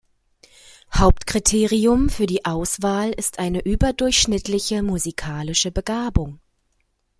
Hauptkriterium für die Auswahl ist eine überdurchschnittliche musikalische Begabung.